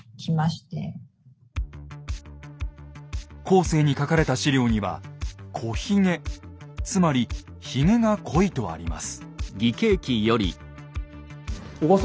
後世に書かれた資料には「こひげ」つまりひげが濃いとあります。